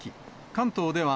関東では、